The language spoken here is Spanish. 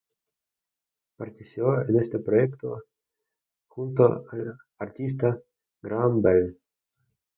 Partició en ese proyecto junto al artista Graham Bell.